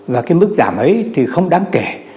và cái mức giảm ấy thì không đáng kể